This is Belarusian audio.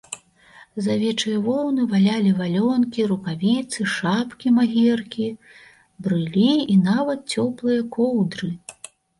З авечае воўны валялі валёнкі, рукавіцы, шапкі-магеркі, брылі і нават цёплыя коўдры.